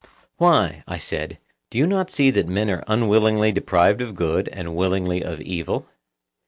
Why, I said, do you not see that men are unwillingly deprived of good, and willingly of evil?